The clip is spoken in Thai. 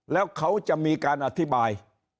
แล้วเขาจะมีการอธิบาย